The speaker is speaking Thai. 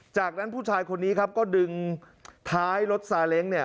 จากนั้นผู้ชายคนนี้ครับก็ดึงท้ายรถซาเล้งเนี่ย